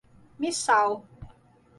Missal